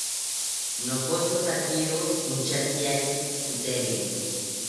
Nopothotakiro inchateyaki kiteriri